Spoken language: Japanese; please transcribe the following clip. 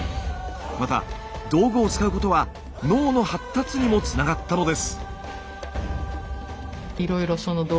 また道具を使うことは脳の発達にもつながったのです。